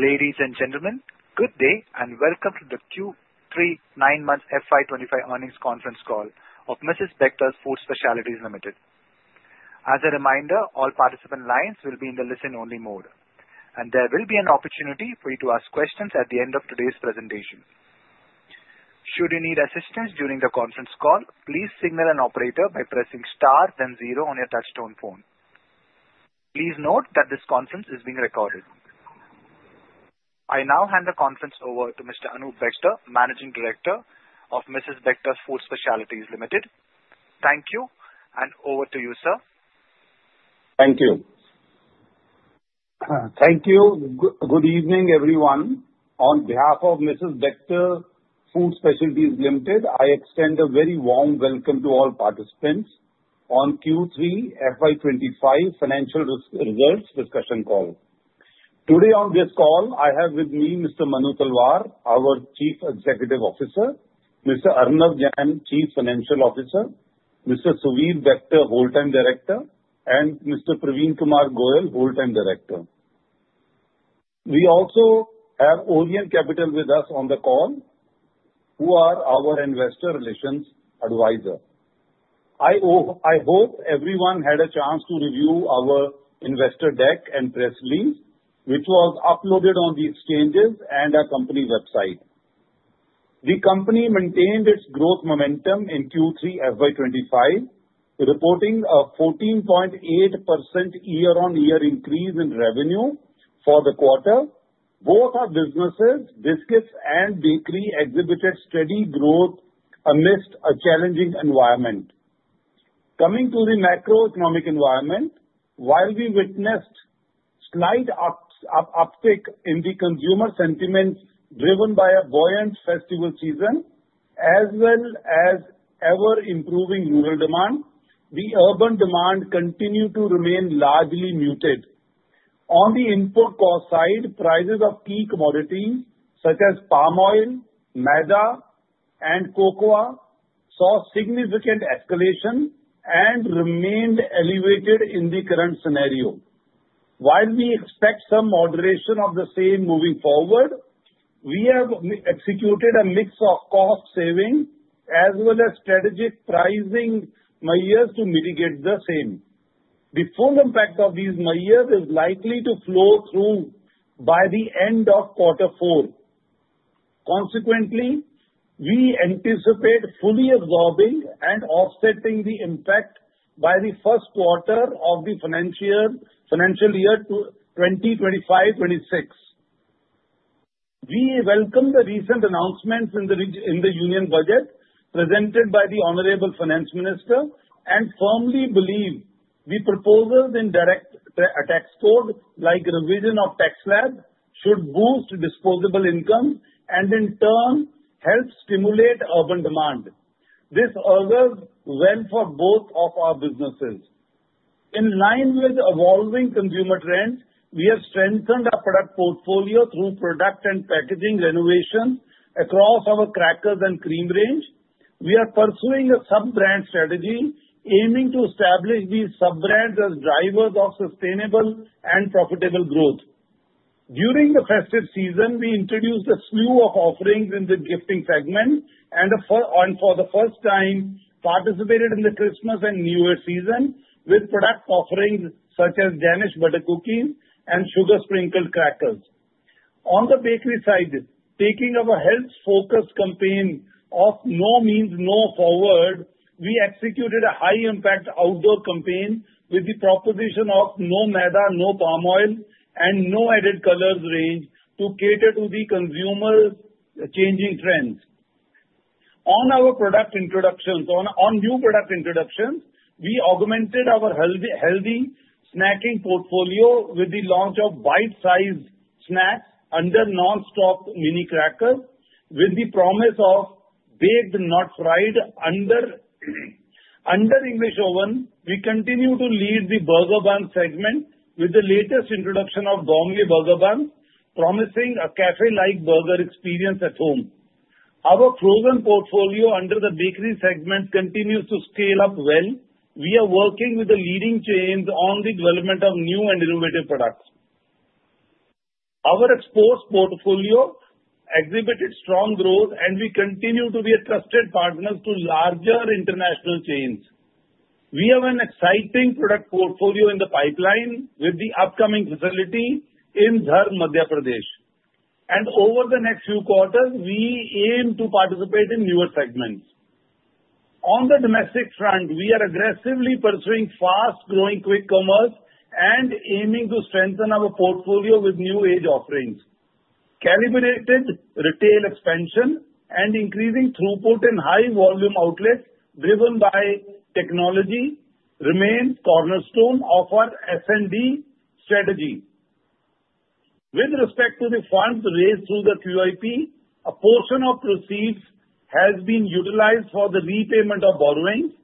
Ladies and gentlemen, good day and Welcome to the Q3 9-Month FY25 Earnings Conference Call of Mrs. Bectors Food Specialities Limited. As a reminder, all participant lines will be in the listen-only mode, and there will be an opportunity for you to ask questions at the end of today's presentation. Should you need assistance during the conference call, please signal an operator by pressing star, then zero on your touch-tone phone. Please note that this conference is being recorded. I now hand the conference over to Mr. Anoop Bector, Managing Director of Mrs. Bectors Food Specialities Limited. Thank you, and over to you, sir. Thank you. Thank you. Good evening, everyone. On behalf of Mrs. Bectors Food Specialities Limited, I extend a very warm welcome to all participants on Q3 FY25 financial results discussion call. Today on this call, I have with me Mr. Manu Talwar, our Chief Executive Officer, Mr. Arnav Jain, Chief Financial Officer, Mr. Suvir Bector, Whole Time Director, and Mr. Parveen Kumar Goel, Whole Time Director. We also have Orient Capital with us on the call, who are our investor relations advisor. I hope everyone had a chance to review our investor deck and press release, which was uploaded on the exchanges and our company website. The company maintained its growth momentum in Q3 FY25, reporting a 14.8% year-on-year increase in revenue for the quarter. Both our businesses, Biscuits and Bakery, exhibited steady growth amidst a challenging environment. Coming to the macroeconomic environment, while we witnessed slight uptick in the consumer sentiment driven by a buoyant festival season, as well as ever-improving rural demand, the urban demand continued to remain largely muted. On the input cost side, prices of key commodities such as palm oil, maida, and cocoa saw significant escalation and remained elevated in the current scenario. While we expect some moderation of the same moving forward, we have executed a mix of cost-saving as well as strategic pricing measures to mitigate the same. The full impact of these measures is likely to flow through by the end of Q4. Consequently, we anticipate fully absorbing and offsetting the impact by the first quarter of the financial year 2025-26. We welcome the recent announcements in the union budget presented by the Honorable Finance Minister and firmly believe the proposals in direct tax code, like revision of tax slab, should boost disposable income and, in turn, help stimulate urban demand. This order went for both of our businesses. In line with evolving consumer trends, we have strengthened our product portfolio through product and packaging renovation across our crackers and cream range. We are pursuing a sub-brand strategy, aiming to establish these sub-brands as drivers of sustainable and profitable growth. During the festive season, we introduced a slew of offerings in the gifting segment and, for the first time, participated in the Christmas and New Year season with product offerings such as Danish Butter Cookies and Sugar Sprinkled Crackers. On the bakery side, taking our health-focused campaign of "No Means No Forward," we executed a high-impact outdoor campaign with the proposition of "No Maida, No Palm Oil," and "No Added Colors" range to cater to the consumer's changing trends. On our product introductions, on new product introductions, we augmented our healthy snacking portfolio with the launch of bite-sized snacks under Non-Stop Mini Crackers. With the promise of baked, not fried under English Oven, we continue to lead the burger buns segment with the latest introduction of Bombay Burger Buns, promising a café-like burger experience at home. Our frozen portfolio under the bakery segment continues to scale up well. We are working with the leading chains on the development of new and innovative products. Our exports portfolio exhibited strong growth, and we continue to be a trusted partner to larger international chains. We have an exciting product portfolio in the pipeline with the upcoming facility in Dhar, Madhya Pradesh. And over the next few quarters, we aim to participate in newer segments. On the domestic front, we are aggressively pursuing fast-growing quick commerce and aiming to strengthen our portfolio with new age offerings. Calibrated retail expansion and increasing throughput and high-volume outlets driven by technology remain cornerstones of our S&D strategy. With respect to the funds raised through the QIP, a portion of proceeds has been utilized for the repayment of borrowings,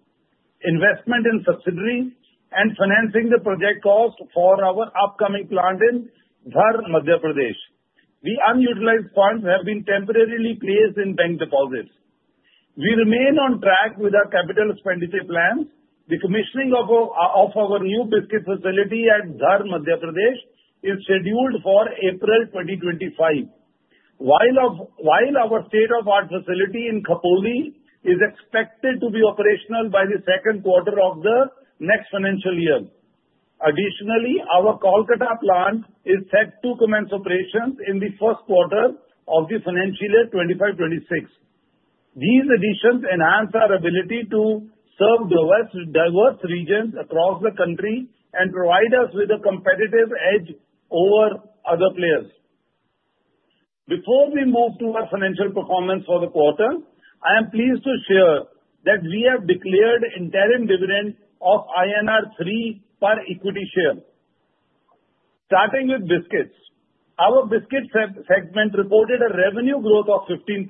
investment in subsidiaries, and financing the project costs for our upcoming plant in Dhar, Madhya Pradesh. The unutilized funds have been temporarily placed in bank deposits. We remain on track with our capital expenditure plans. The commissioning of our new biscuits facility at Dhar, Madhya Pradesh, is scheduled for April 2025, while our state-of-the-art facility in Khopoli is expected to be operational by the second quarter of the next financial year. Additionally, our Kolkata plant is set to commence operations in the first quarter of the financial year 2026. These additions enhance our ability to serve diverse regions across the country and provide us with a competitive edge over other players. Before we move to our financial performance for the quarter, I am pleased to share that we have declared interim dividend of INR 3 per equity share. Starting with Biscuits, our biscuits segment reported a revenue growth of 15%,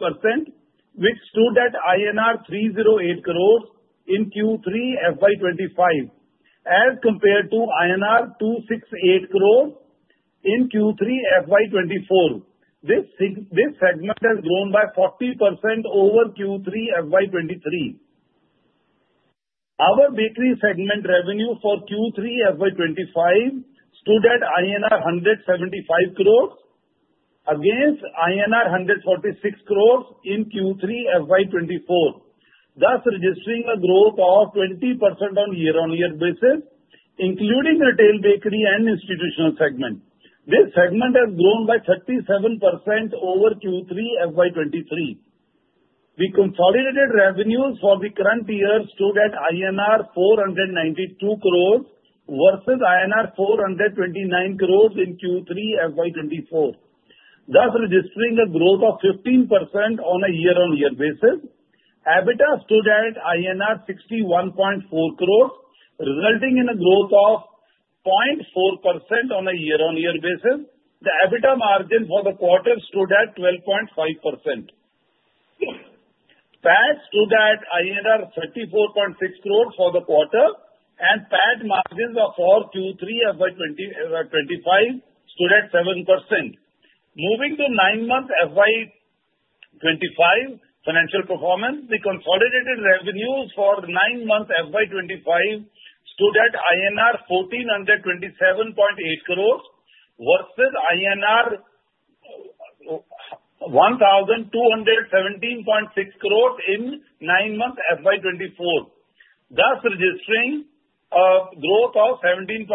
which stood at INR 308 crores in Q3 FY25, as compared to INR 268 crores in Q3 FY24. This segment has grown by 40% over Q3 FY23. Our bakery segment revenue for Q3 FY25 stood at INR 175 crores, against INR 146 crores in Q3 FY24, thus registering a growth of 20% on year-on-year basis, including retail, bakery, and institutional segment. This segment has grown by 37% over Q3 FY23. The consolidated revenues for the current year stood at 492 crores versus 429 crores in Q3 FY24, thus registering a growth of 15% on a year-on-year basis. EBITDA stood at INR 61.4 crores, resulting in a growth of 0.4% on a year-on-year basis. The EBITDA margin for the quarter stood at 12.5%. PAT stood at INR 34.6 crores for the quarter, and PAT margins for Q3 FY25 stood at 7%. Moving to nine-month FY25 financial performance, the consolidated revenues for nine-month FY25 stood at INR 1,427.8 crores versus INR 1,217.6 crores in nine-month FY24, thus registering a growth of 17.3%.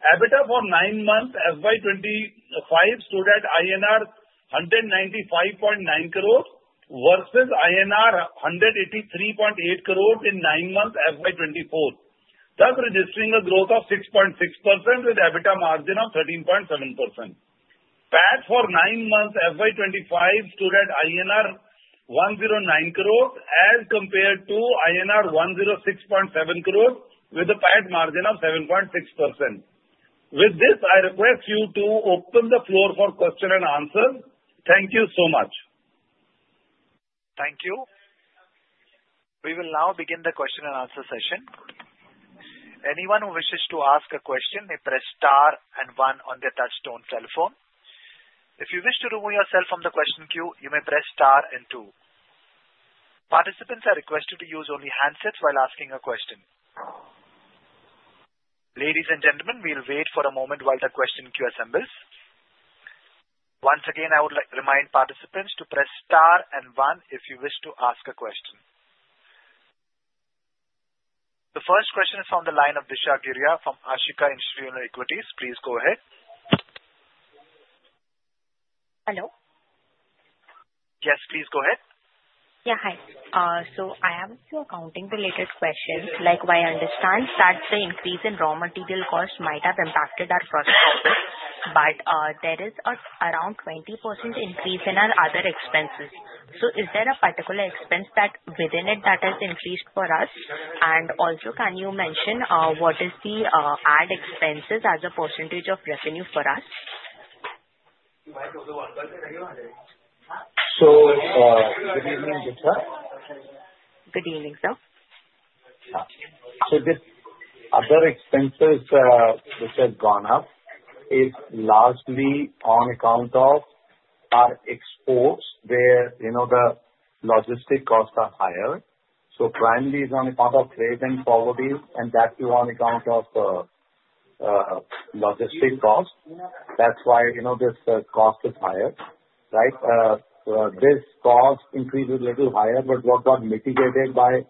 EBITDA for nine-month FY25 stood at INR 195.9 crores versus INR 183.8 crores in nine-month FY24, thus registering a growth of 6.6% with EBITDA margin of 13.7%. PAT for nine-month FY25 stood at INR 109 crores, as compared to INR 106.7 crores with a PAT margin of 7.6%. With this, I request you to open the floor for questions and answers. Thank you so much. Thank you. We will now begin the question-and-answer session. Anyone who wishes to ask a question may press star and one on their touch-tone telephone. If you wish to remove yourself from the question queue, you may press star and two. Participants are requested to use only handsets while asking a question. Ladies and gentlemen, we'll wait for a moment while the question queue assembles. Once again, I would remind participants to press star and one if you wish to ask a question. The first question is from the line of Disha Geria from Ashika Institutional Equities. Please go ahead. Hello? Yes, please go ahead. Yeah, hi. So I have a few accounting-related questions. Like what I understand, that the increase in raw material costs might have impacted our processing, but there is around 20% increase in our other expenses. So is there a particular expense within it that has increased for us? And also, can you mention what is the added expenses as a percentage of revenue for us? Good evening, Disha. Good evening, sir. So the other expenses which have gone up is largely on account of our exports, where the logistics costs are higher. So primarily it's on account of trade and promo, and that too on account of logistics costs. That's why this cost is higher, right? This cost increased a little higher, but what got mitigated by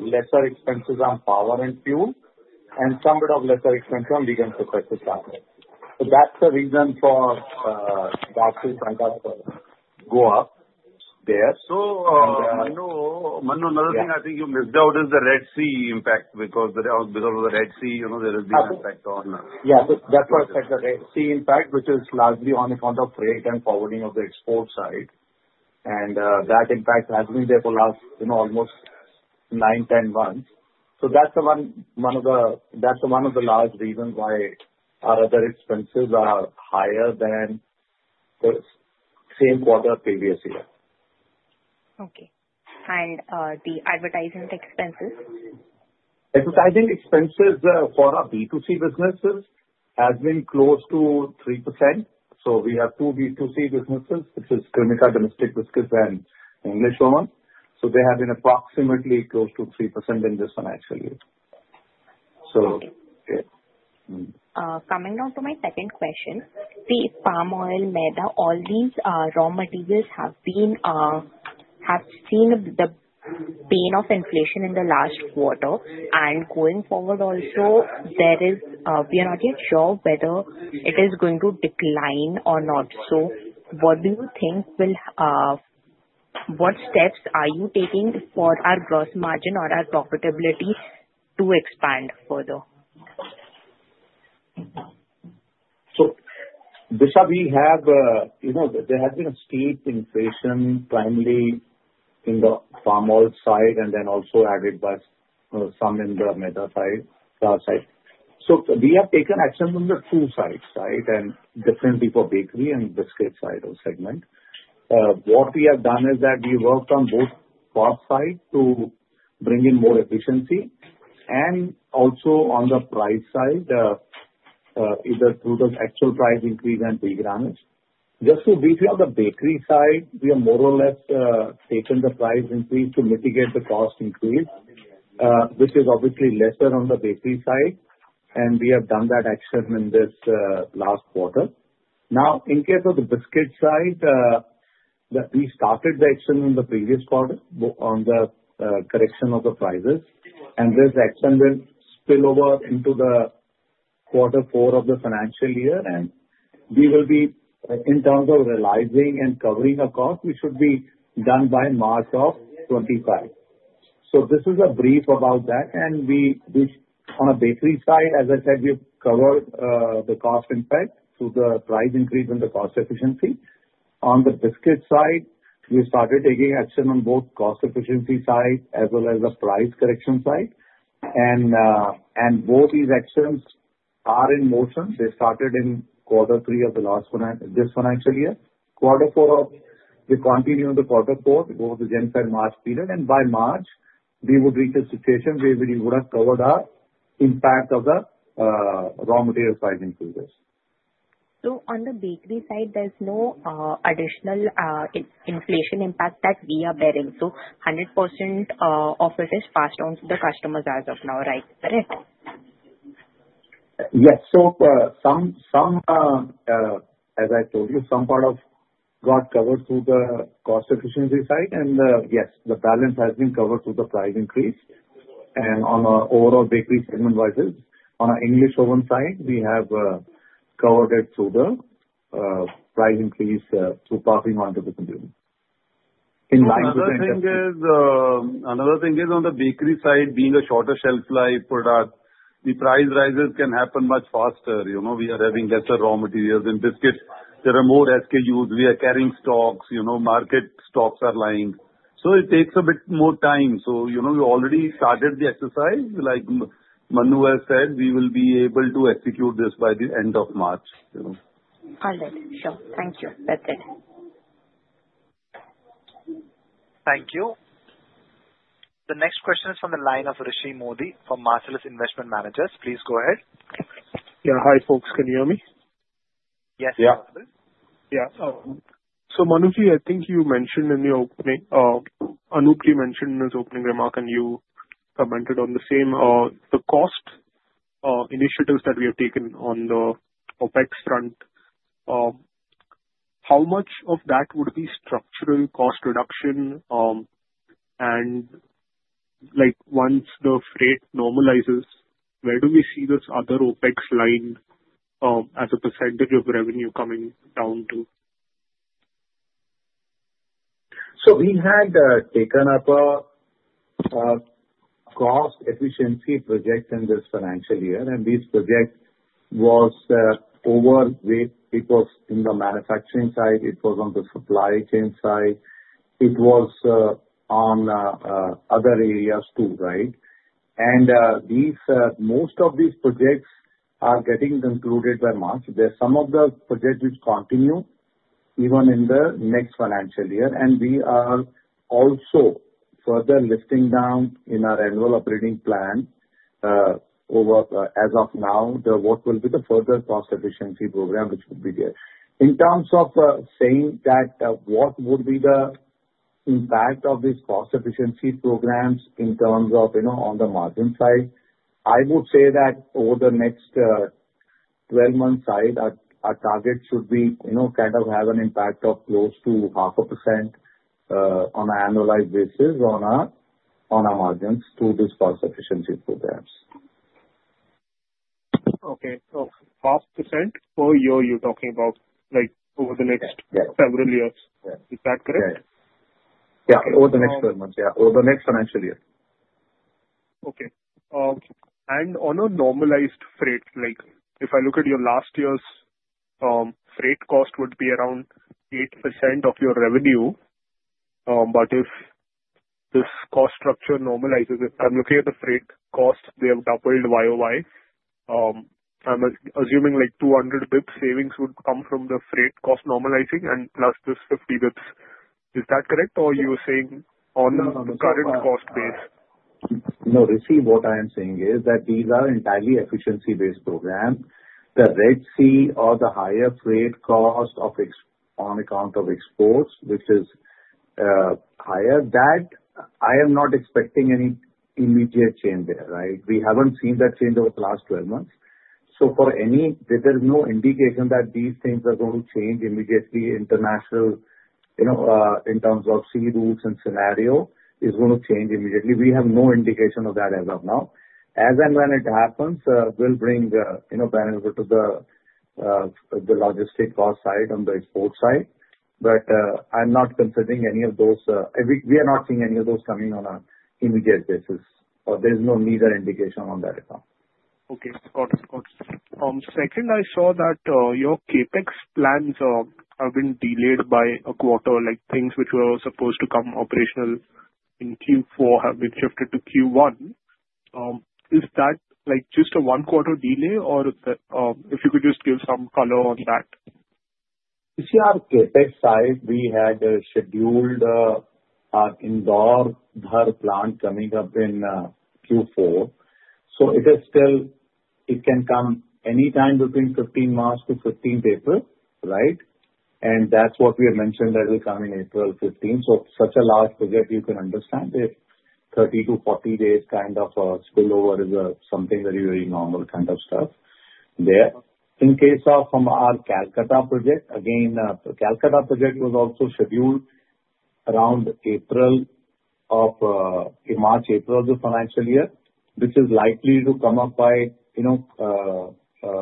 lesser expenses on power and fuel and somewhat of lesser expense on veg and processed products. So that's the reason for that to kind of go up there. So, Manu, another thing I think you missed out is the Red Sea impact because of the Red Sea, there is the impact on. Yeah, that's what I said, the Red Sea impact, which is largely on account of trade and poverty on the export side. And that impact has been there for the last almost nine, 10 months. So that's one of the large reasons why our other expenses are higher than the same quarter previous year. Okay. And the advertising expenses? Advertising expenses for our B2C businesses have been close to 3%. So we have two B2C businesses, which is Cremica Domestic Biscuits and English Oven. So they have been approximately close to 3% in this financial year. So.Okay. Coming down to my second question, the palm oil, maida, all these raw materials have seen the pain of inflation in the last quarter. And going forward also, we are not yet sure whether it is going to decline or not. So, what do you think? What steps are you taking for our gross margin or our profitability to expand further? So Disha, there has been a steep inflation primarily in the palm oil side and then also added by some in the Maida side. We have taken action on the two sides, right, and definitely for bakery and biscuit side of segment. What we have done is that we worked on both cost side to bring in more efficiency and also on the price side, either through the actual price increase and by Gramage. Just to be clear, on the bakery side, we have more or less taken the price increase to mitigate the cost increase, which is obviously lesser on the bakery side. We have done that action in this last quarter. Now, in case of the biscuit side, we started the action in the previous quarter on the correction of the prices. And this action will spill over into the quarter four of the financial year. And we will be, in terms of realizing and covering our cost, we should be done by March of 2025. So this is a brief about that. And on a bakery side, as I said, we've covered the cost impact through the price increase and the cost efficiency. On the biscuit side, we started taking action on both cost efficiency side as well as the price correction side. And both these actions are in motion. They started in quarter three of this financial year. Quarter four, we continue in the quarter four, go to the end FY March period. And by March, we would reach a situation where we would have covered our impact of the raw material price increases. So on the bakery side, there's no additional inflation impact that we are bearing. So 100% of it is passed on to the customers as of now, right? Correct? Yes. So some, as I told you, some part of it got covered through the cost efficiency side. And yes, the balance has been covered through the price increase. And on our overall bakery segment wise, on our English Oven side, we have covered it through the price increase through passing on to the consumer. Another thing is on the bakery side, being a shorter shelf life product, the price rises can happen much faster. We are having lesser raw materials in biscuits. There are more SKUs. We are carrying stocks. Market stocks are lying. So it takes a bit more time. So we already started the exercise. Like Manu has said, we will be able to execute this by the end of March. All right. Sure. Thank you. That's it. Thank you. The next question is from the line of Rishi Modi from Marcellus Investment Managers. Please go ahead. Yeah. Hi, folks. Can you hear me? Yes, sir. Yeah. Yeah. So Manuji, I think Anoop mentioned in his opening remark, and you commented on the same, the cost initiatives that we have taken on the Opex front. How much of that would be structural cost reduction? And once the freight normalizes, where do we see this other Opex line as a percentage of revenue coming down to? We had taken up a cost efficiency project in this financial year. This project was overweight. It was in the manufacturing side. It was on the supply chain side. It was on other areas too, right? Most of these projects are getting concluded by March. There's some of the projects which continue even in the next financial year. We are also further drilling down in our annual operating plan as of now what will be the further cost efficiency program, which would be there. In terms of saying that what would be the impact of these cost efficiency programs in terms of on the margin side, I would say that over the next 12 months' time, our target should be kind of have an impact of close to 0.5% on an annualized basis on our margins through these cost efficiency programs. Okay, so 0.5% per year, you're talking about over the next several years. Is that correct? Yeah. Over the next 12 months. Yeah. Over the next financial year. Okay. On a normalized freight, if I look at your last year's freight cost, it would be around 8% of your revenue. But if this cost structure normalizes, if I'm looking at the freight cost, they have doubled YOY. I'm assuming 200 basis points savings would come from the freight cost normalizing and plus this 50 basis points. Is that correct? Or you're saying on the current cost base? No, Rishi, what I am saying is that these are entirely efficiency-based programs. The Red Sea or the higher freight cost on account of exports, which is higher, that I am not expecting any immediate change there, right? We haven't seen that change over the last 12 months, so there is no indication that these things are going to change immediately. International, in terms of sea routes and scenario, is going to change immediately. We have no indication of that as of now. As and when it happens, we'll bring benefit to the logistic cost side on the export side, but I'm not considering any of those. We are not seeing any of those coming on an immediate basis. There's no need or indication on that account. Okay. Got it. Got it. Second, I saw that your CapEx plans have been delayed by a quarter. Things which were supposed to come operational in Q4 have been shifted to Q1. Is that just a one-quarter delay? Or if you could just give some color on that. Vishal, Capex side, we had scheduled our Indore Dhar plant coming up in Q4. So it can come anytime between 15 March to 15 April, right? And that's what we have mentioned that will come in April 15. So such a large project, you can understand, 30 to 40 days kind of spillover is something very, very normal kind of stuff there. In case of our Kolkata project, again, the Kolkata project was also scheduled around March-April of the financial year, which is likely to come up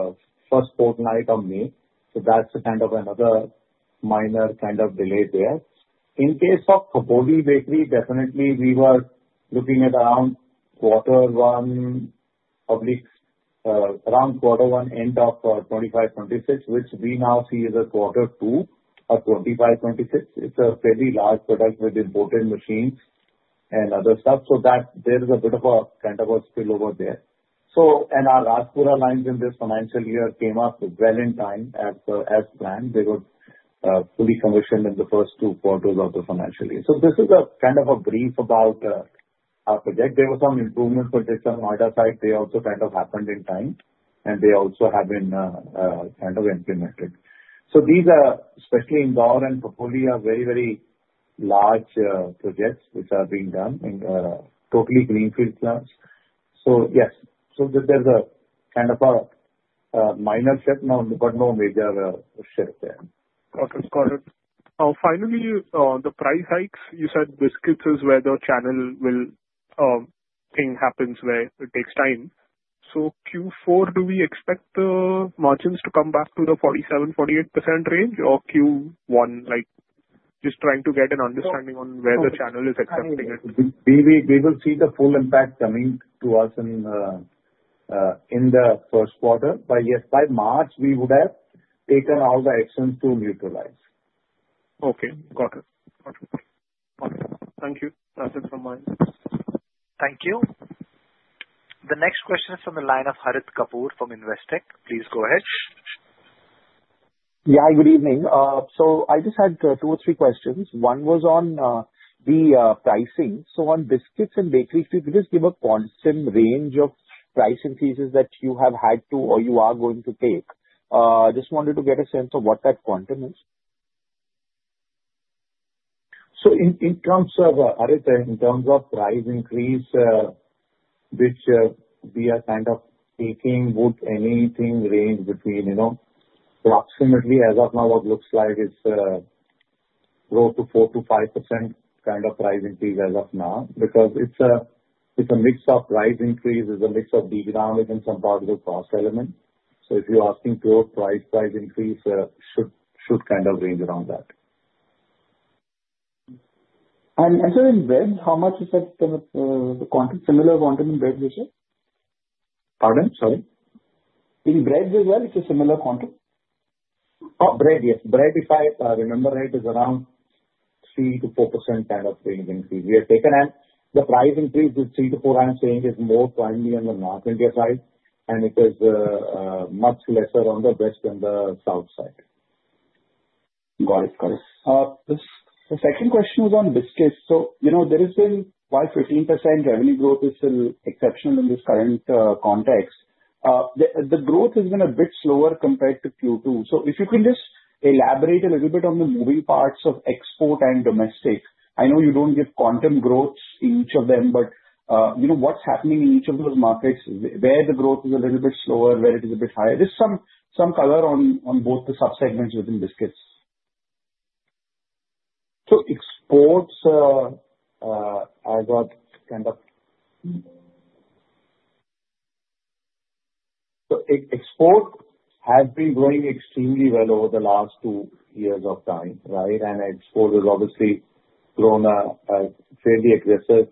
by first fortnight of May. So that's kind of another minor kind of delay there. In case of Khopoli Bakery, definitely we were looking at around quarter one, probably around quarter one end of 2025-26, which we now see as a quarter two of 2025-26. It's a fairly large product with imported machines and other stuff. So there is a bit of a kind of a spillover there. And our Rajpura lines in this financial year came up well in time as planned. They were fully commissioned in the first two quarters of the financial year. So this is kind of a brief about our project. There were some improvement projects on the Maida side. They also kind of happened in time. And they also have been kind of implemented. So these are especially Indore and Khopoli are very, very large projects which are being done in totally greenfield plants. So yes. So there's a kind of a minor shift now, but no major shift there. Got it. Got it. Finally, the price hikes. You said biscuits is where the channel filling thing happens where it takes time. So Q4, do we expect the margins to come back to the 47%-48% range, or Q1? Just trying to get an understanding on where the channel is accepting it. We will see the full impact coming to us in the first quarter. But yes, by March, we would have taken all the actions to neutralize. Okay. Got it. Got it. Thank you. That's it from my end. Thank you. The next question is from the line of Harit Kapoor from Investec. Please go ahead. Yeah. Good evening. So I just had two or three questions. One was on the pricing. So on biscuits and bakeries, could you just give a quantum range of price increases that you have had to or you are going to take? I just wanted to get a sense of what that quantum is. So in terms of, Harit, in terms of price increase, which we are kind of taking, would anything range between approximately as of now, what looks like is 4%-5% kind of price increase as of now because it's a mix of price increase, it's a mix of bigger gramage, and some possible cost element. So if you're asking pure price increase, it should kind of range around that. And as for in bread, how much is that kind of the quantum similar quantum in bread, Ratio? Pardon? Sorry. In bread as well, it's a similar quantum? Oh, bread, yes. Bread, if I remember right, is around 3%-4% kind of range increase. We have taken the price increase is 3%-4% times range is more finely on the North India side. And it is much lesser on the West and the South side. Got it. Got it. The second question was on biscuits. So there has been, while 15% revenue growth is still exceptional in this current context, the growth has been a bit slower compared to Q2. So if you can just elaborate a little bit on the moving parts of export and domestic. I know you don't give quantum growth in each of them, but what's happening in each of those markets, where the growth is a little bit slower, where it is a bit higher? Just some color on both the subsegments within biscuits. So exports, I got kind of so export has been growing extremely well over the last two years of time, right? And export has obviously grown fairly aggressive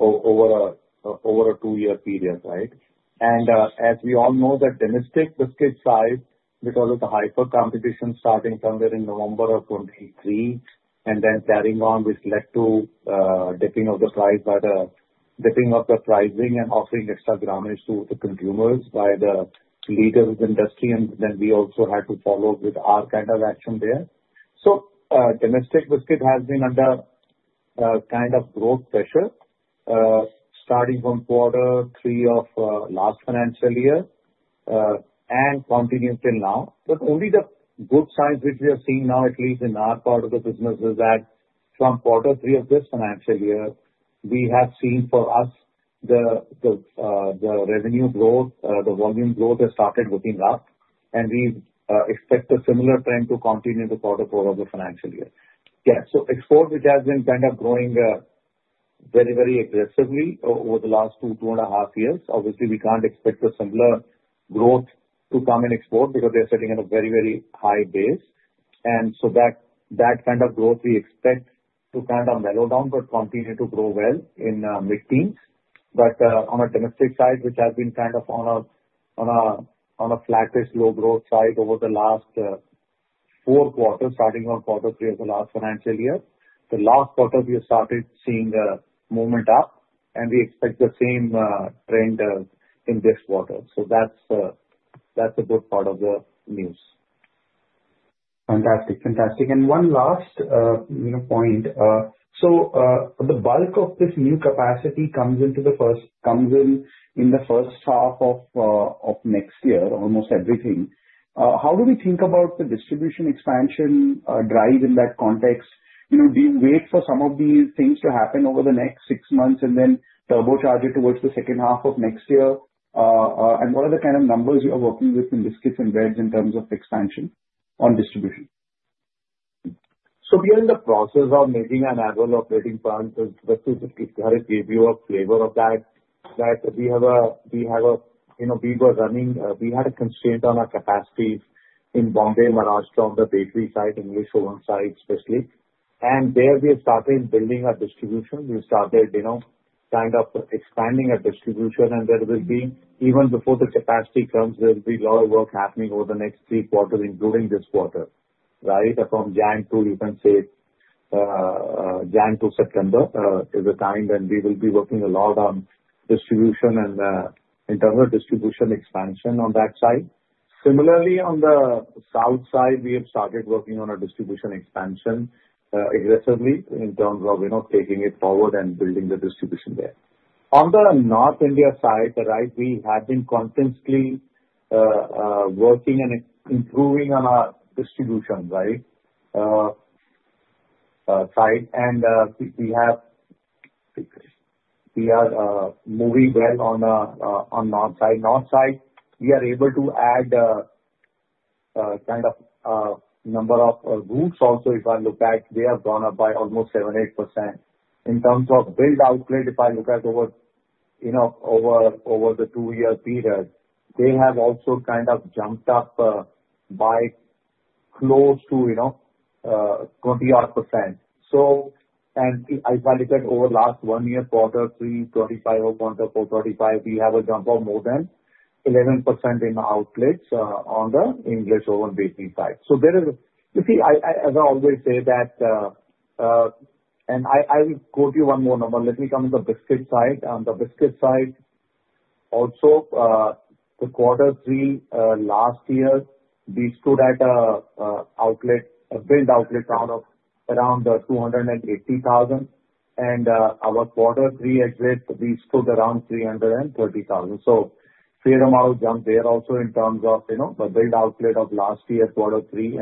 over a two-year period, right? As we all know, the domestic biscuit side, because of the hyper-competition starting somewhere in November of 2023, and then carrying on, which led to dipping of the price by the dipping of the pricing and offering extra gramage to the consumers by the leaders of the industry. Then we also had to follow up with our kind of action there. Domestic biscuit has been under kind of growth pressure starting from quarter three of last financial year and continues till now. Only the good signs which we are seeing now, at least in our part of the business, is that from quarter three of this financial year, we have seen for us the revenue growth, the volume growth has started looking up. We expect a similar trend to continue in the quarter four of the financial year. Yeah. So export, which has been kind of growing very, very aggressively over the last two, two and a half years, obviously, we can't expect a similar growth to come in export because they are sitting at a very, very high base. And so that kind of growth, we expect to kind of mellow down but continue to grow well in mid-teens. But on a domestic side, which has been kind of on a flatish low growth side over the last four quarters, starting on quarter three of the last financial year, the last quarter, we started seeing a movement up. And we expect the same trend in this quarter. So that's a good part of the news. Fantastic. Fantastic. One last point. The bulk of this new capacity comes in the first half of next year, almost everything. How do we think about the distribution expansion drive in that context? Do you wait for some of these things to happen over the next six months and then turbocharge it towards the second half of next year? What are the kind of numbers you are working with in biscuits and breads in terms of expansion on distribution? We are in the process of making an annual operating plan. Harit gave you a flavor of that, that we had a constraint on our capacity in Bombay, Maharashtra, on the bakery side, English Oven side, especially. There we have started building our distribution. We started kind of expanding our distribution. There will be, even before the capacity comes, a lot of work happening over the next three quarters, including this quarter, right? From January to, you can say, January to September is the time when we will be working a lot on distribution and internal distribution expansion on that side. Similarly, on the South side, we have started working on our distribution expansion aggressively in terms of taking it forward and building the distribution there. On the North India side, right, we have been constantly working and improving on our distribution, right side. And we are moving well on the North side. On the North side, we are able to add kind of number of routes also. If I look at, they have gone up by almost 7-8%. In terms of build-out rate, if I look at over the two-year period, they have also kind of jumped up by close to 20-odd%. So if I look at over the last one year, quarter three, 2025, or quarter four, 2025, we have a jump of more than 11% in outlets on the English Oven Bakery side. So there is, you see, as I always say, that and I will quote you one more number. Let me come on the biscuit side. On the biscuit side, also, the quarter three last year, we stood at a build-out rate around 280,000, and our quarter three exit, we stood around 330,000, so a fair amount jump there also in terms of the build-out rate of last year, quarter three,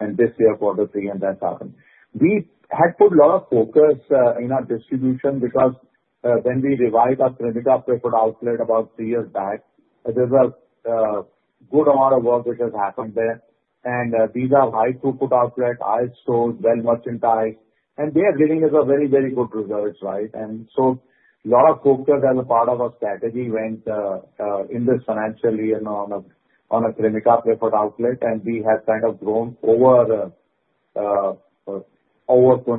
and this year, quarter three, and that's happened. We had put a lot of focus in our distribution because when we revived our Cremica Preferred Outlet about three years back, there was a good amount of work which has happened there, and these are high-throughput outlets, high-store, well-merchandised, and they are giving us very, very good results, right? And so a lot of focus as a part of our strategy went in this financial year on a Cremica Preferred Outlet, and we have kind of grown over 22%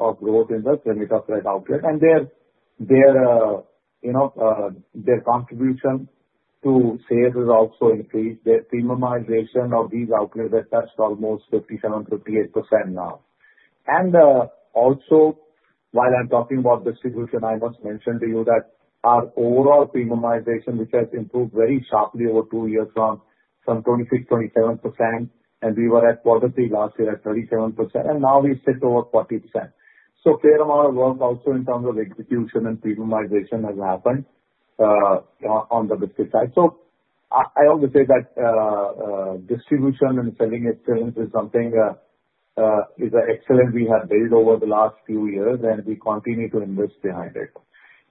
of growth in the Cremica Preferred Outlet, and their contribution to sales has also increased. Their premiumization of these outlets has touched almost 57-58% now. And also, while I'm talking about distribution, I must mention to you that our overall premiumization, which has improved very sharply over two years from 26-27%. And we were at quarter three last year at 37%. And now we sit over 40%. So fair amount of work also in terms of execution and premiumization has happened on the biscuit side. So I always say that distribution and selling excellence is something excellent we have built over the last few years, and we continue to invest behind it.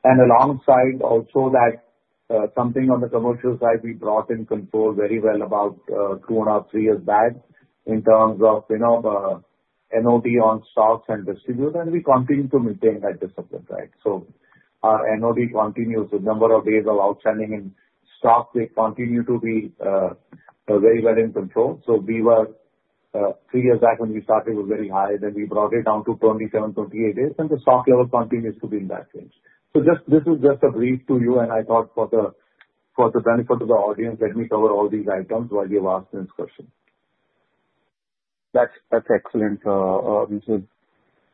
And alongside also that something on the commercial side, we brought in control very well about two and a half, three years back in terms of NOD on stocks and distribution. And we continue to maintain that discipline, right? So our NOD continues with number of days of outstanding in stock. They continue to be very well in control. So we were three years back when we started was very high. Then we brought it down to 27, 28 days. And the stock level continues to be in that range. So this is just a brief to you. And I thought for the benefit of the audience, let me cover all these items while you've asked this question. That's excellent.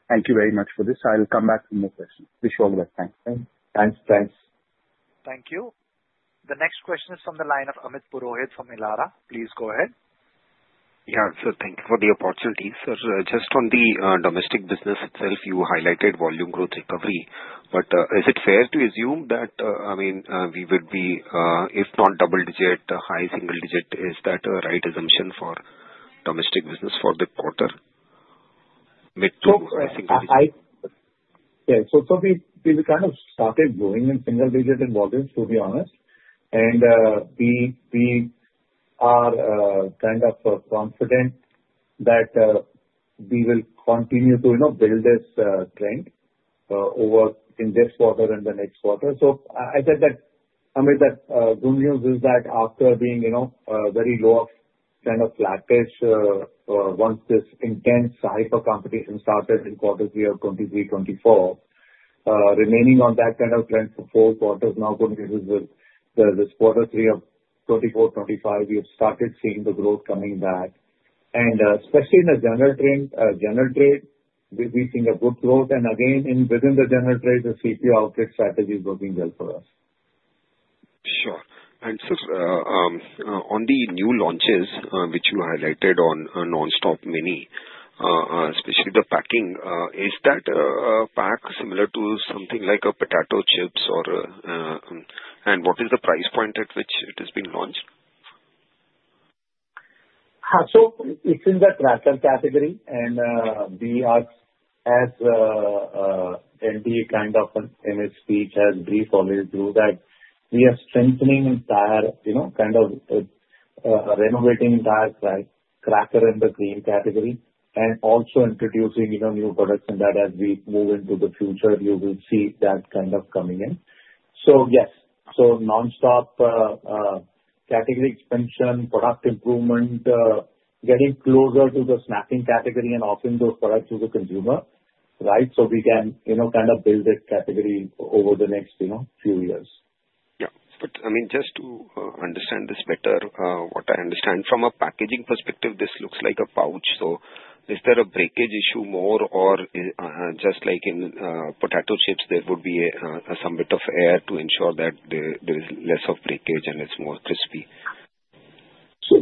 Thank you very much for this. I'll come back to more questions. Wish you all the best. Thanks. Thanks. Thanks. Thank you. The next question is from the line of Amit Purohit from Elara. Please go ahead. Yeah. So thank you for the opportunity. So just on the domestic business itself, you highlighted volume growth recovery. But is it fair to assume that, I mean, we would be, if not double-digit, high single-digit? Is that a right assumption for domestic business for the quarter? Mid to single digit? Yeah, so we kind of started growing in single-digit volume, to be honest, and we are kind of confident that we will continue to build this trend over in this quarter and the next quarter, so I said that Amit, that good news is that after being very low of kind of flatish, once this intense hyper-competition started in quarter three of 2023, 2024, remaining on that kind of trend for four quarters, now going into this quarter three of 2024, 2025, we have started seeing the growth coming back, and especially in the general trade, we've seen a good growth, and again, within the general trade, the CPO outlet strategy is working well for us. Sure. And so on the new launches which you highlighted on Non-Stop Mini, especially the packaging, is that a pack similar to something like a potato chips? And what is the price point at which it has been launched? So it's in the cracker category. And we are, as management has always briefed that we are strengthening entire kind of renovating entire cracker and the cream category. And also introducing new products in that, as we move into the future, you will see that kind of coming in. So yes. So Non-Stop category expansion, product improvement, getting closer to the snacking category and offering those products to the consumer, right? So we can kind of build this category over the next few years. Yeah, but I mean, just to understand this better, what I understand from a packaging perspective, this looks like a pouch. So is there a breakage issue more or just like in potato chips, there would be some bit of air to ensure that there is less of breakage and it's more crispy?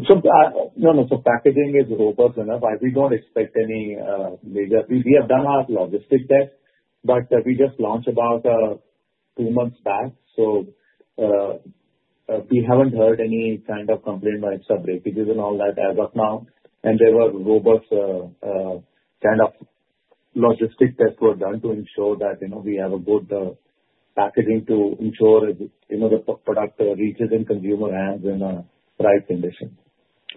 So, no, no. So, packaging is robust enough. We don't expect any major. We have done our logistics test, but we just launched about two months back. So, we haven't heard any kind of complaint about extra breakages and all that as of now. And there were robust kind of logistics tests were done to ensure that we have a good packaging to ensure the product reaches in consumer hands in a right condition.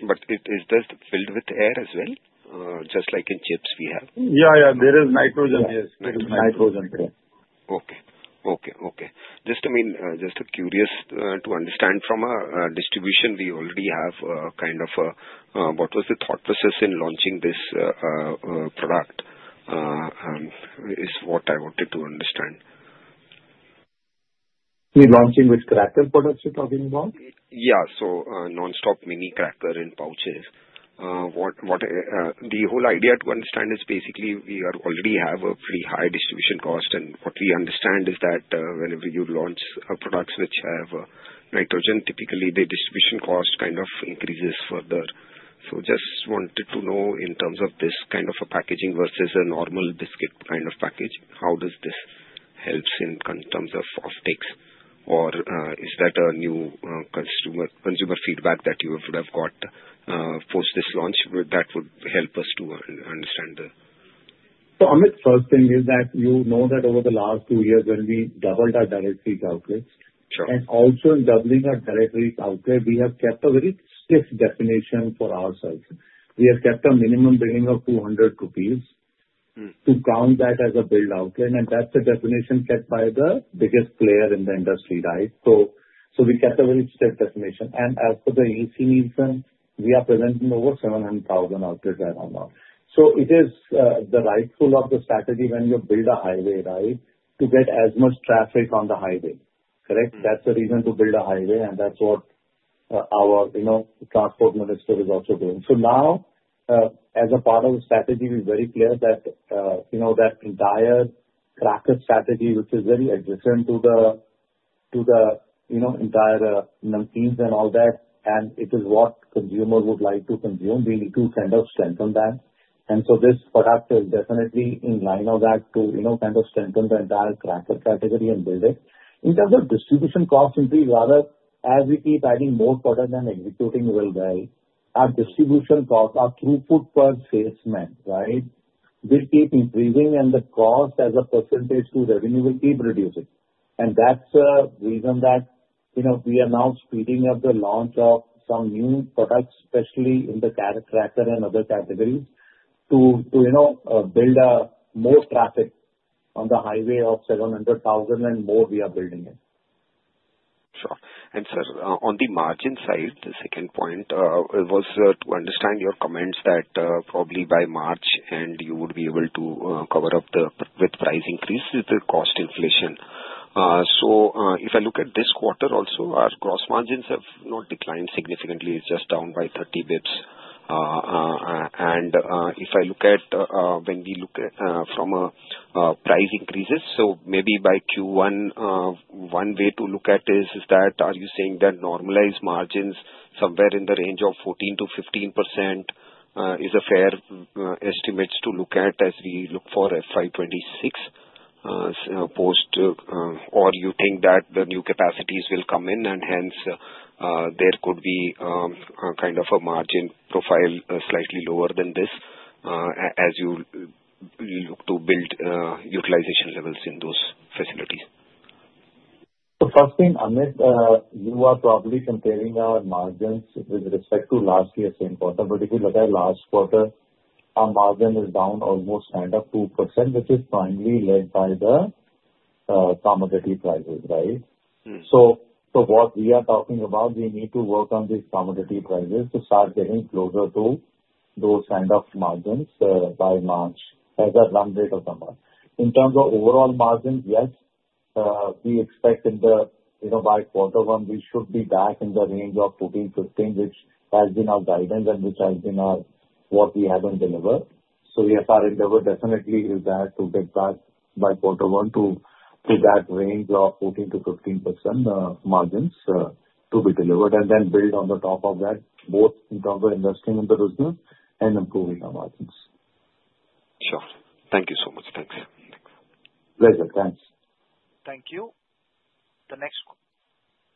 But is this filled with air as well? Just like in chips, we have? Yeah, yeah. There is nitrogen. There is nitrogen. Okay. Just to, I mean, just curious to understand from a distribution, we already have kind of what was the thought process in launching this product is what I wanted to understand. We're launching which cracker products you're talking about? Yeah. So Non-Stop Mini Crackers in pouches. The whole idea to understand is basically we already have a pretty high distribution cost. And what we understand is that whenever you launch products which have nitrogen, typically the distribution cost kind of increases further. So just wanted to know in terms of this kind of a packaging versus a normal biscuit kind of package, how does this help in terms of off-takes? Or is that a new consumer feedback that you would have got post this launch that would help us to understand the? Amit, first thing is that you know that over the last two years, when we doubled our direct outlets. And also in doubling our direct outlets, we have kept a very strict definition for ourselves. We have kept a minimum billing of 200 rupees to count that as a direct outlet. And that's the definition kept by the biggest player in the industry, right? So we kept a very strict definition. And as for the EC meeting, we are presenting over 700,000 outlets right now. So it is the right part of the strategy when you build a highway, right, to get as much traffic on the highway, correct? That's the reason to build a highway. And that's what our transport minister is also doing. So now, as a part of the strategy, we're very clear that that entire cracker strategy, which is very adjacent to the entire Namkeens and all that, and it is what consumers would like to consume, we need to kind of strengthen that. And so this product is definitely in line of that to kind of strengthen the entire cracker category and build it. In terms of distribution cost, indeed, rather, as we keep adding more product and executing real well, our distribution cost, our throughput per salesman, right, will keep increasing. And the cost as a percentage to revenue will keep reducing. And that's the reason that we are now speeding up the launch of some new products, especially in the carrot cracker and other categories, to build more traffic on the highway of 700,000 and more, we are building it. Sure. And so on the margin side, the second point was to understand your comments that probably by March you would be able to cover the cost inflation with the price increase. So if I look at this quarter also, our gross margins have not declined significantly. It's just down by 30 basis points. And if I look at when we look at from price increases, so maybe by Q1, one way to look at is that are you saying that normalized margins somewhere in the range of 14%-15% is a fair estimate to look at as we look for FY26 post? Or you think that the new capacities will come in and hence there could be kind of a margin profile slightly lower than this as you look to build utilization levels in those facilities? So first thing, Amit, you are probably comparing our margins with respect to last year's same quarter. But if you look at last quarter, our margin is down almost kind of 2%, which is primarily led by the commodity prices, right? So what we are talking about, we need to work on these commodity prices to start getting closer to those kind of margins by March as a run rate of the mark. In terms of overall margins, yes, we expect in the by quarter one, we should be back in the range of 14%-15%, which has been our guidance and which has been what we haven't delivered. So yes, our endeavor definitely is that to get back by quarter one to that range of 14%-15% margins to be delivered. And then build on the top of that, both in terms of investing in the business and improving our margins. Sure. Thank you so much. Thanks. Pleasure. Thanks. Thank you. The next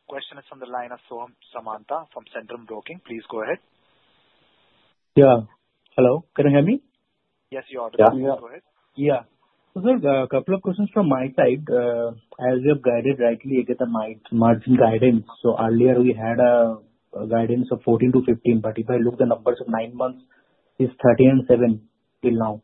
question is from the line of Samantha from Centrum Broking. Please go ahead. Yeah. Hello. Can you hear me? Yes, you are. Yeah. Please go ahead. Yeah. So sir, a couple of questions from my side. As you have guided rightly again the margin guidance. So earlier we had a guidance of 14%-15%. But if I look at the numbers of nine months, it's 30.7% till now.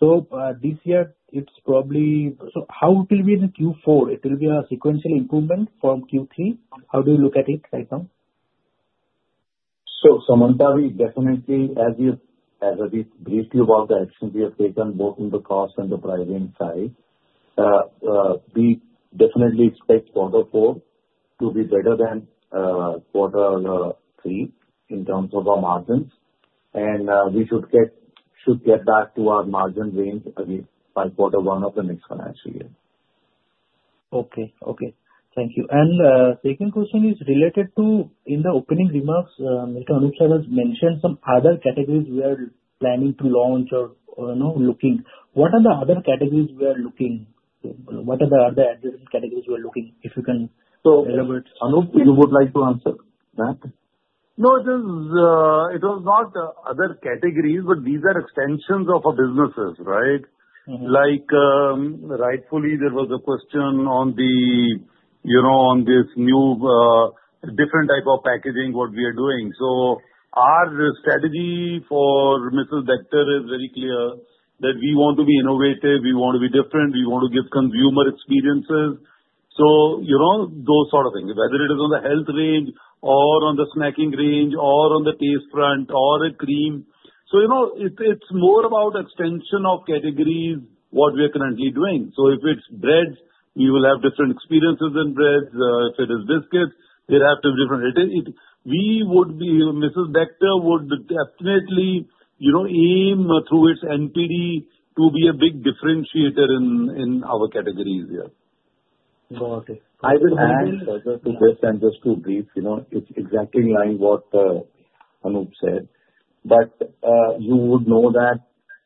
So this year, it's probably so how it will be in Q4? It will be a sequential improvement from Q3? How do you look at it right now? So, Samantha, we definitely, as you briefly about the action we have taken both in the cost and the pricing side, we definitely expect quarter four to be better than quarter three in terms of our margins. And we should get back to our margin range by quarter one of the next financial year. Okay. Okay. Thank you. And second question is related to in the opening remarks, Amit, Anoop Bector has mentioned some other categories we are planning to launch or looking. What are the other categories we are looking? What are the other categories we are looking if you can elaborate? So Anoop, you would like to answer that? No, it was not other categories, but these are extensions of our businesses, right? Like rightfully, there was a question on this new different type of packaging what we are doing. So our strategy for Mrs. Bector's is very clear that we want to be innovative. We want to be different. We want to give consumer experiences. So those sort of things, whether it is on the health range or on the snacking range or on the taste front or a cream. So it's more about extension of categories what we are currently doing. So if it's bread, we will have different experiences in bread. If it is biscuits, we'll have to have different. Mrs. Bector's would definitely aim through its NPD to be a big differentiator in our categories here. Got it. I will add, just to brief, it's exactly in line with what Anoop said, but you would know that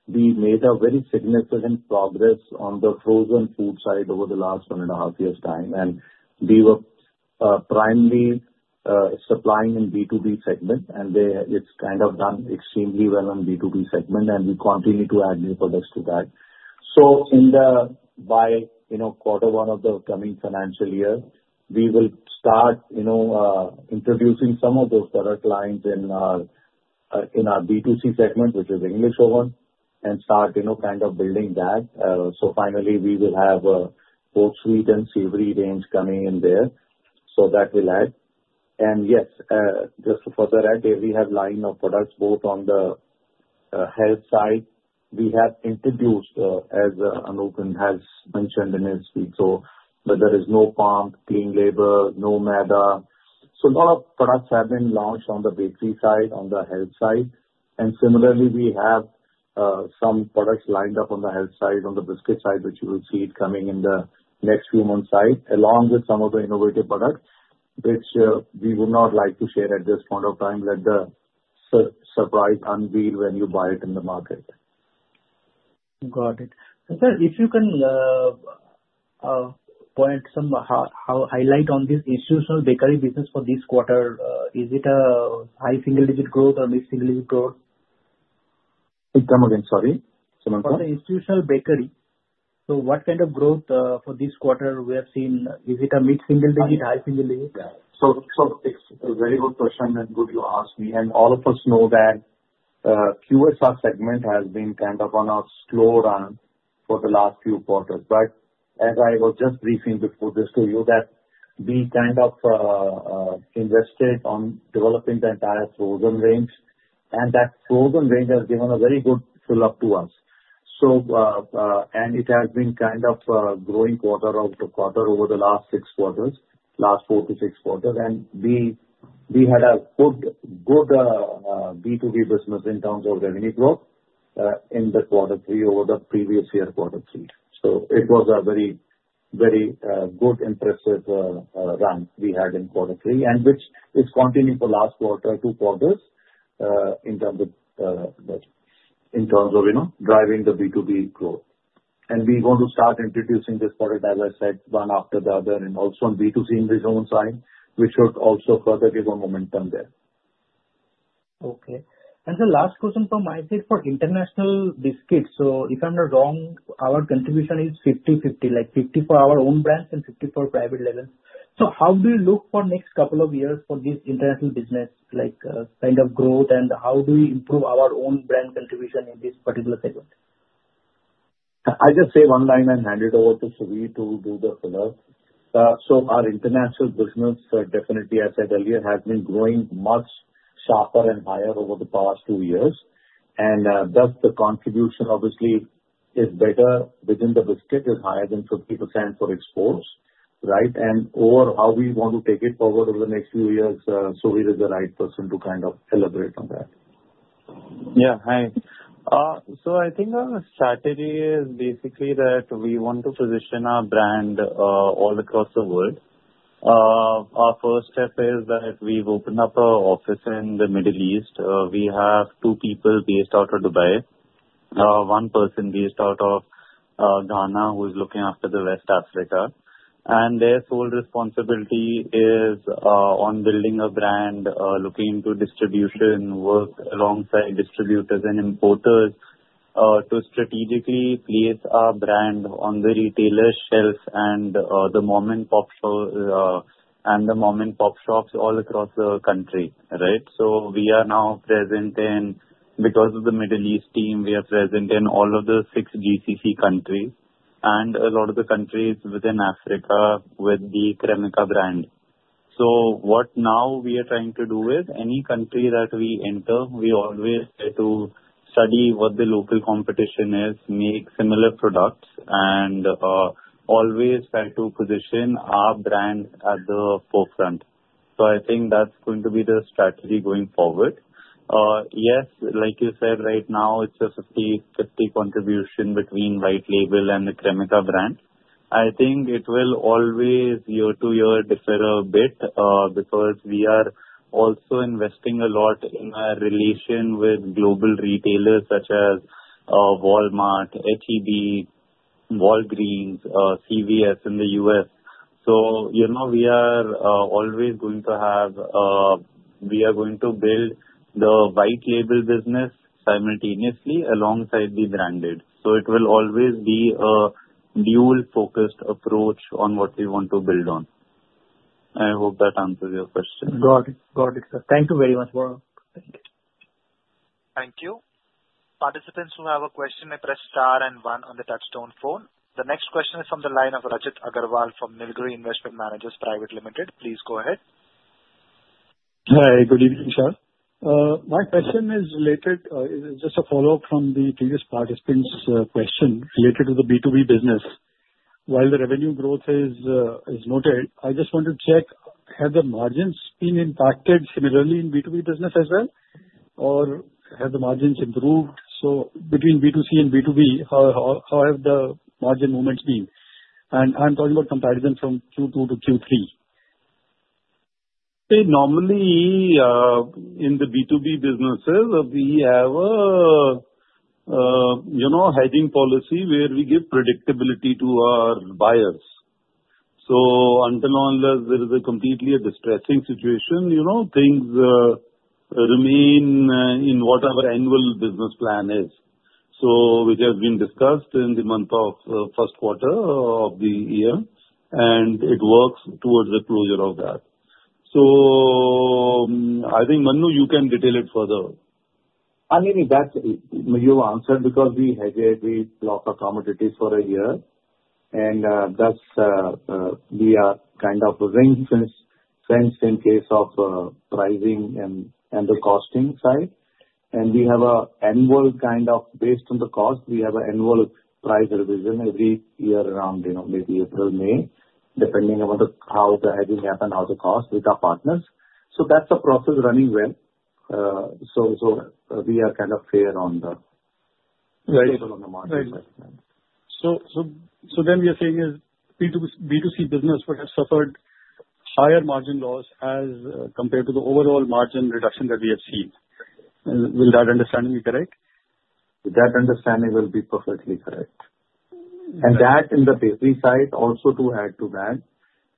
we made a very significant progress on the frozen food side over the last one and a half years' time, and we were primarily supplying in B2B segment, and it's kind of done extremely well on B2B segment, and we continue to add new products to that, so by quarter one of the coming financial year, we will start introducing some of those product lines in our B2C segment, which is English Oven, and start kind of building that, so finally, we will have a whole suite and savory range coming in there, so that will add, and yes, just to further add, we have a line of products both on the health side. We have introduced, as Anoop has mentioned in his speech, so there is no palm, clean label, no Maida. A lot of products have been launched on the bakery side, on the health side. Similarly, we have some products lined up on the health side, on the biscuit side, which you will see coming in the next few months' time, along with some of the innovative products, which we would not like to share at this point of time. Let the surprise unveil when you buy it in the market. Got it. So sir, if you can point some highlight on this institutional bakery business for this quarter, is it a high single-digit growth or mid-single-digit growth? Come again. Sorry. For the institutional bakery, so what kind of growth for this quarter we have seen? Is it a mid-single-digit, high single-digit? It's a very good question, and good you asked me. All of us know that the QSR segment has been kind of on a slow run for the last few quarters. But as I was just briefing before this to you that we kind of invested on developing the entire frozen range. And that frozen range has given a very good fill-up to us. And it has been kind of growing quarter after quarter over the last six quarters, last four to six quarters. And we had a good B2B business in terms of revenue growth in the quarter three over the previous year, quarter three. So it was a very, very good, impressive run we had in quarter three, and which is continuing for last quarter, two quarters in terms of driving the B2B growth. We want to start introducing this product, as I said, one after the other, and also on B2C on the zone side, which should also further give a momentum there. Okay, and the last question from my side for international biscuits. So if I'm not wrong, our contribution is 50-50, like 50 for our own brands and 50 for private labels. So how do you look for next couple of years for this international business, like kind of growth, and how do we improve our own brand contribution in this particular segment? I'll just say one line and hand it over to Suvir to do the fill-up, so our international business definitely, as I said earlier, has been growing much sharper and higher over the past two years, and thus the contribution obviously is better within the biscuit, is higher than 50% for exports, right, and over how we want to take it forward over the next few years, Suvir is the right person to kind of elaborate on that. Yeah. Hi. So I think our strategy is basically that we want to position our brand all across the world. Our first step is that we've opened up an office in the Middle East. We have two people based out of Dubai, one person based out of Ghana who is looking after the West Africa. And their sole responsibility is on building a brand, looking into distribution, work alongside distributors and importers to strategically place our brand on the retailer shelves and the mom-and-pop shops all across the country, right? So we are now present in, because of the Middle East team, we are present in all of the six GCC countries and a lot of the countries within Africa with the Cremica brand. So what now we are trying to do is any country that we enter, we always try to study what the local competition is, make similar products, and always try to position our brand at the forefront. So I think that's going to be the strategy going forward. Yes, like you said, right now, it's a 50-50 contribution between White Label and the Cremica brand. I think it will always year to year differ a bit because we are also investing a lot in relation with global retailers such as Walmart, H-E-B, Walgreens, CVS in the US. So we are always going to have. We are going to build the White Label business simultaneously alongside the branded. So it will always be a dual-focused approach on what we want to build on. I hope that answers your question. Got it. Got it, sir. Thank you very much for. Thank you. Participants who have a question may press star and one on the touch-tone phone. The next question is from the line of Rajat Agarwal from Nilgiri Investment Managers Private Limited. Please go ahead. Hi. Good evening, sir. My question is related, just a follow-up from the previous participant's question related to the B2B business. While the revenue growth is noted, I just want to check, have the margins been impacted similarly in B2B business as well? Or have the margins improved? So between B2C and B2B, how have the margin movements been? And I'm talking about comparison from Q2 to Q3. Normally, in the B2B businesses, we have a hedging policy where we give predictability to our buyers. So until there is a completely distressing situation, things remain in whatever annual business plan is, which has been discussed in the month of first quarter of the year, and it works towards the closure of that. So I think, Manu, you can detail it further. I mean, you answered because we hedge every block of commodities for a year. And thus, we are kind of ring-fenced in case of pricing and the costing side. And we have an annual kind of based on the cost, we have an annual price revision every year around maybe April, May, depending on how the hedging happens, how the cost with our partners. So that's a process running well. So we are kind of fair on the margin investment. So then you're saying B2C business would have suffered higher margin loss as compared to the overall margin reduction that we have seen. Will that understanding be correct? That understanding will be perfectly correct. That, in the bakery side, also to add to that,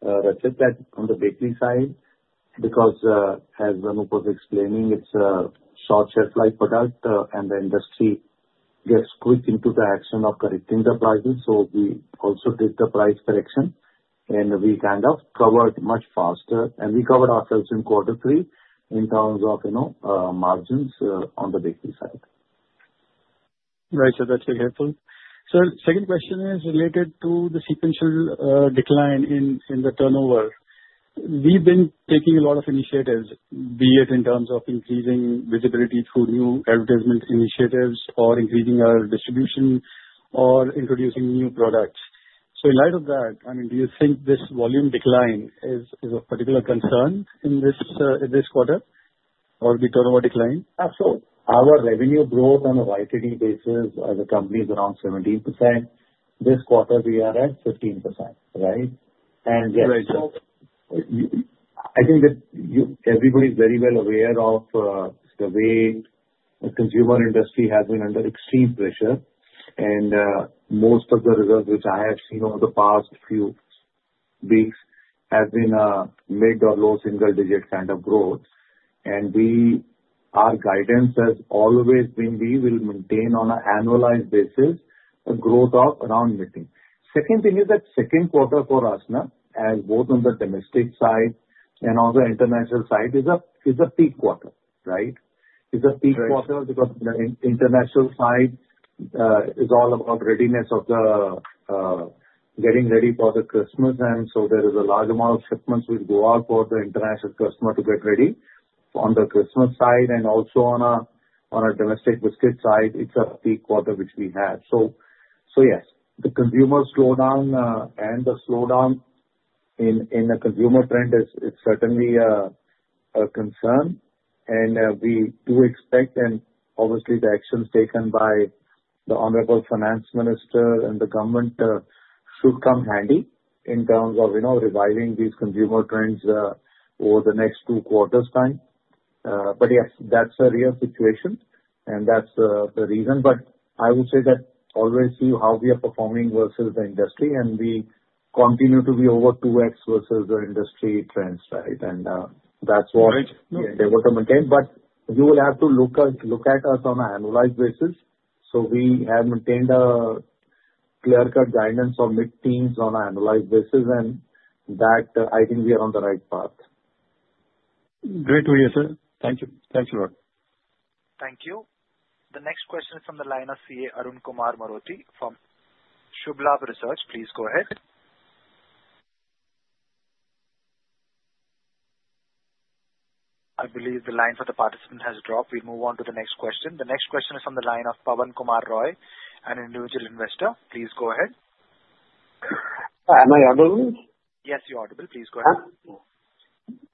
Rajat, on the bakery side, because as Anoop was explaining, it's a short shelf life product, and the industry gets quick into the action of correcting the prices. So we also did the price correction, and we kind of covered much faster. We covered ourselves in quarter three in terms of margins on the bakery side. Right. So that's very helpful. Sir, second question is related to the sequential decline in the turnover. We've been taking a lot of initiatives, be it in terms of increasing visibility through new advertisement initiatives or increasing our distribution or introducing new products. So in light of that, I mean, do you think this volume decline is a particular concern in this quarter or the turnover decline? Our revenue growth on an underlying basis as a company is around 17%. This quarter, we are at 15%, right? Yes, I think that everybody is very well aware of the way the consumer industry has been under extreme pressure. Most of the results, which I have seen over the past few weeks, have been mid or low single-digit kind of growth. Our guidance has always been we will maintain on an annualized basis a growth of around. Second thing is that second quarter for us, as both on the domestic side and on the international side, is a peak quarter, right? It is a peak quarter because the international side is all about readiness, getting ready for the Christmas. So there is a large amount of shipments which go out for the international customer to get ready on the Christmas side. And also on a domestic biscuit side, it's a peak quarter which we have. So yes, the consumer slowdown and the slowdown in the consumer trend is certainly a concern. And we do expect, and obviously, the actions taken by the Honorable Finance Minister and the government should come handy in terms of reviving these consumer trends over the next two quarters' time. But yes, that's a real situation. And that's the reason. But I would say that always see how we are performing versus the industry. And we continue to be over 2x versus the industry trends, right? And that's what they want to maintain. But you will have to look at us on an annualized basis. So we have maintained a clear-cut guidance on mid-teens on an annualized basis. And that, I think we are on the right path. Great to hear, sir. Thank you. Thanks a lot. Thank you. The next question is from the line of CA Arun Kumar Maroti from Shubh Labh Research. Please go ahead. I believe the line for the participant has dropped. We'll move on to the next question. The next question is from the line of Pawan Kumar Roy, an individual investor. Please go ahead. Am I audible? Yes, you're audible. Please go ahead.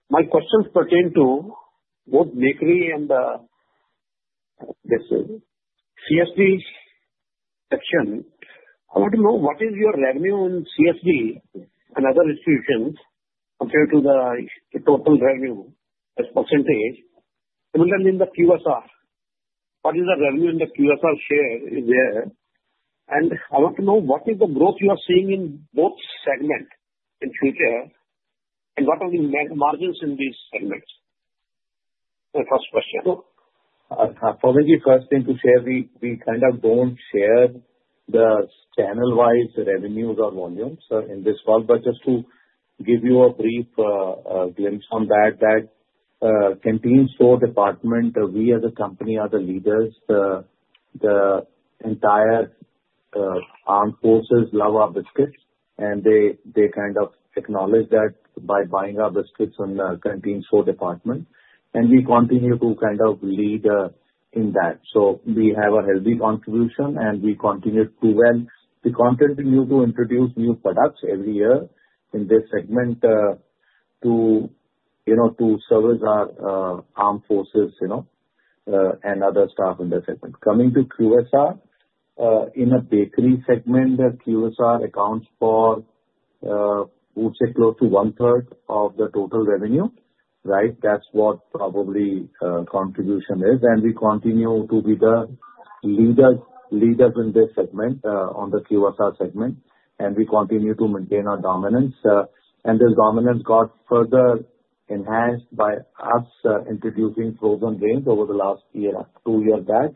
My questions pertain to both bakery and the CSD section. I want to know what is your revenue in CSD and other institutions compared to the total revenue as a percentage. Similarly, in the QSR, what is the revenue in the QSR share there? And I want to know what is the growth you are seeing in both segments in future, and what are the margins in these segments? My first question. For me, the first thing to share, we kind of don't share the channel-wise revenues or volumes in this call. But just to give you a brief glimpse on that, that Canteen Stores Department, we as a company are the leaders. The entire armed forces love our biscuits. And they kind of acknowledge that by buying our biscuits in the Canteen Stores Department. And we continue to kind of lead in that. So we have a healthy contribution, and we continue to, well, we continue to introduce new products every year in this segment to service our armed forces and other staff in the segment. Coming to QSR, in a bakery segment, QSR accounts for, we would say, close to one-third of the total revenue, right? That's what probably contribution is. And we continue to be the leaders in this segment on the QSR segment. We continue to maintain our dominance. This dominance got further enhanced by us introducing frozen range over the last two years back,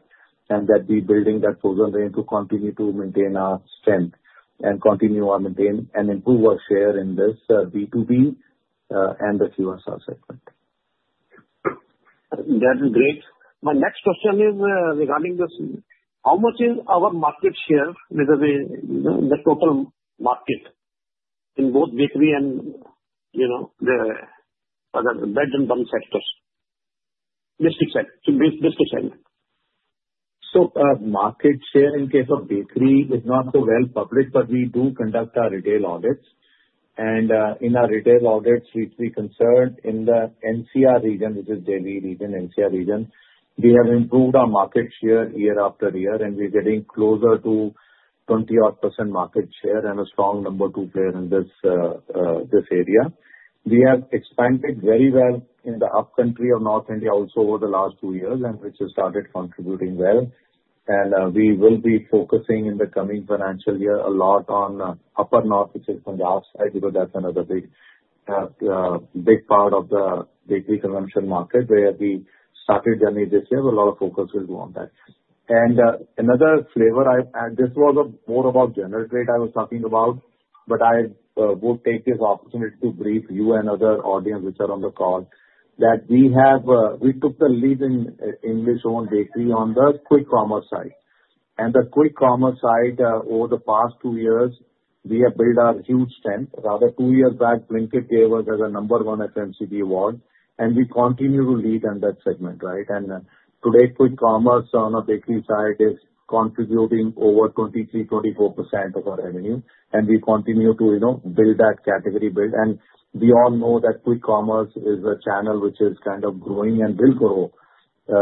and that we're building that frozen range to continue to maintain our strength and continue our maintain and improve our share in this B2B and the QSR segment. That's great. My next question is regarding this. How much is our market share in the total market in both bakery and the bread and buns sectors? Biscuit side. Market share in case of bakery is not so well public, but we do conduct our retail audits. In our retail audits, we concern in the Delhi NCR region. We have improved our market share year after year, and we're getting closer to 20-odd% market share and a strong number two player in this area. We have expanded very well in the upcountry of North India also over the last two years, and which has started contributing well. We will be focusing in the coming financial year a lot on upper north, which is from the upside because that's another big part of the bakery consumption market where we started journey this year. A lot of focus will go on that. And another flavor, and this was more about general trade I was talking about, but I would take this opportunity to brief you and other audience which are on the call that we took the lead in English Oven bakery on the quick commerce side. And the quick commerce side, over the past two years, we have built our huge strength. Rather, two years back, Blinkit gave us as a number one FMCG award, and we continue to lead in that segment, right? And today, quick commerce on a bakery side is contributing over 23-24% of our revenue. And we continue to build that category build. And we all know that quick commerce is a channel which is kind of growing and will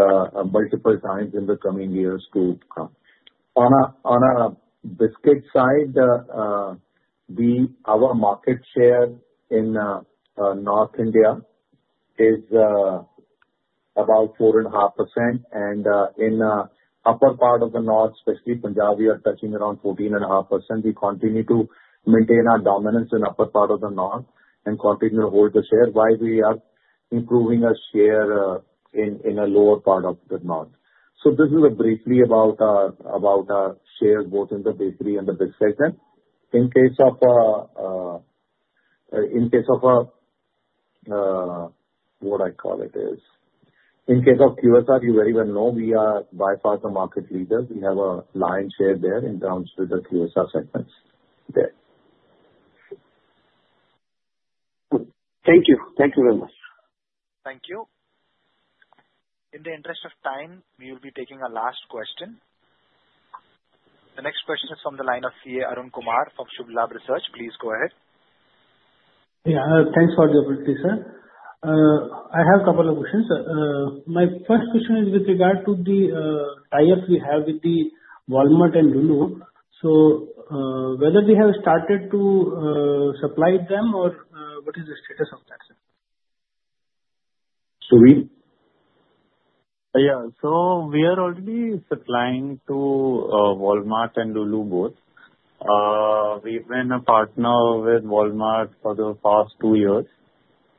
grow multiple times in the coming years to come. On a biscuit side, our market share in North India is about 4.5%. In the upper part of the north, especially Punjabi, we are touching around 14.5%. We continue to maintain our dominance in the upper part of the north and continue to hold the share while we are improving our share in a lower part of the north. This is briefly about our share both in the bakery and the biscuit sector. In case of what I call it is, in case of QSR, you very well know we are by far the market leaders. We have a lion's share there in terms of the QSR segments there. Thank you. Thank you very much. Thank you. In the interest of time, we will be taking a last question. The next question is from the line of CA Arun Kumar Maroti from Shubh Labh Research. Please go ahead. Yeah. Thanks for the opportunity, sir. I have a couple of questions. My first question is with regard to the tie-ups we have with the Walmart and Lulu. So whether they have started to supply them or what is the status of that? So we? Yeah, so we are already supplying to Walmart and Lulu both. We've been a partner with Walmart for the past two years,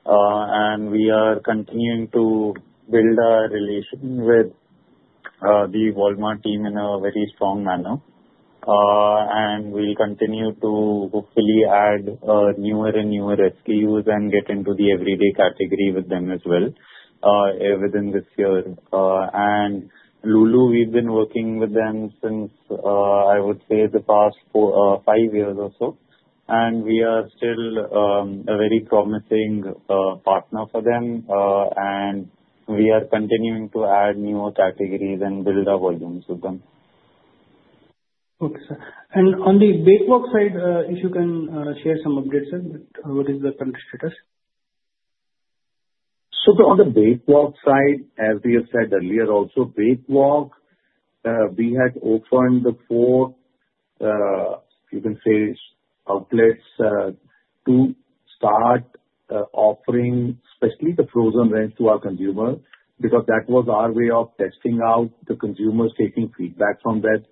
and we are continuing to build our relation with the Walmart team in a very strong manner, and we'll continue to hopefully add newer and newer SKUs and get into the everyday category with them as well within this year, and Lulu, we've been working with them since, I would say, the past five years or so, and we are still a very promising partner for them, and we are continuing to add newer categories and build our volumes with them. Okay, sir. And on the Bakewalk side, if you can share some updates, sir, what is the current status? So on the Bakewalk side, as we have said earlier, also Bakewalk, we had opened the four, you can say, outlets to start offering especially the frozen range to our consumers because that was our way of testing out the consumers, taking feedback from that,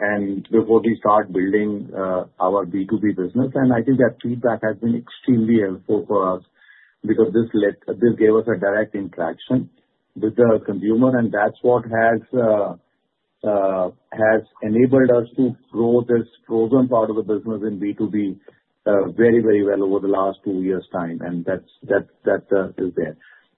and before we start building our B2B business. And I think that feedback has been extremely helpful for us because this gave us a direct interaction with the consumer. And that's what has enabled us to grow this frozen part of the business in B2B very, very well over the last two years' time. And that is there.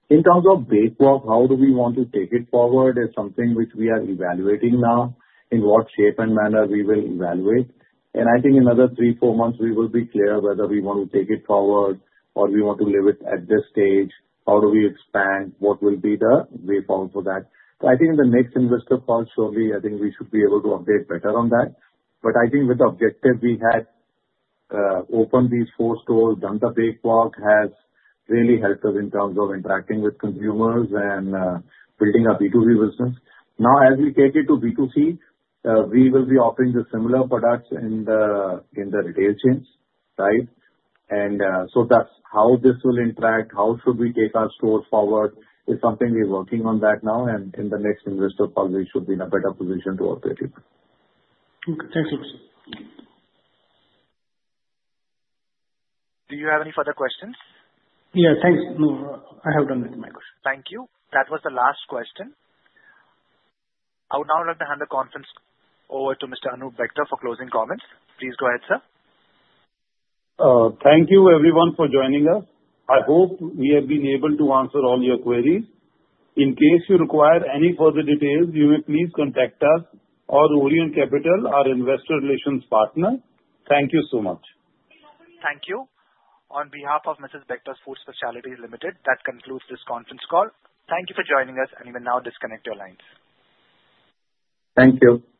In terms of Bakewalk, how do we want to take it forward is something which we are evaluating now in what shape and manner we will evaluate. I think in another three, four months, we will be clear whether we want to take it forward or we want to leave it at this stage. How do we expand? What will be the way forward for that? I think in the next investor call, surely, I think we should be able to update better on that. I think with the objective, we had opened these four stores, done the Bakewalk, has really helped us in terms of interacting with consumers and building our B2B business. Now, as we take it to B2C, we will be offering the similar products in the retail chains, right? So that's how this will interact. How should we take our stores forward is something we're working on right now. In the next investor call, we should be in a better position to update you. Okay. Thanks, sir. Do you have any further questions? Yeah. Thanks. No, I have done with my question. Thank you. That was the last question. I would now like to hand the conference over to Mr. Anoop Bector for closing comments. Please go ahead, sir. Thank you, everyone, for joining us. I hope we have been able to answer all your queries. In case you require any further details, you may please contact us or Orient Capital, our investor relations partner. Thank you so much. Thank you. On behalf of Mrs. Bectors Food Specialities Limited, that concludes this conference call. Thank you for joining us, and you may now disconnect your lines. Thank you.